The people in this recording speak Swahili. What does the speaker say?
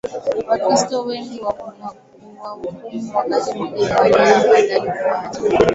Wakristo wengi na kuwahukumu Wakati mwingine waliona afadhali kuwaacha